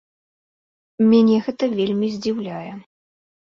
Мяне гэта вельмі здзіўляе.